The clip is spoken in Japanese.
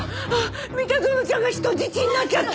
三田園ちゃんが人質になっちゃった！？